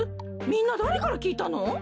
みんなだれからきいたの？